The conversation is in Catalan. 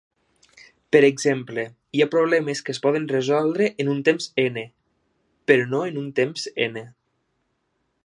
Per exemple, hi ha problemes que es poden resoldre en un temps "n", però no en un temps "n".